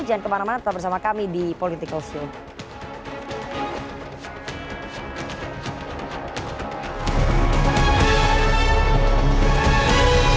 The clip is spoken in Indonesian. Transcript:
jangan kemana mana tetap bersama kami di political show